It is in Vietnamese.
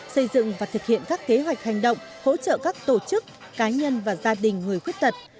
xây dựng và thực hiện các kế hoạch hành động hỗ trợ các tổ chức cá nhân và gia đình người khuyết tật